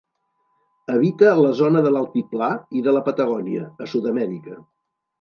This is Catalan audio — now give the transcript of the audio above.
Habita la zona de l'Altiplà i de la Patagònia, a Sud-amèrica.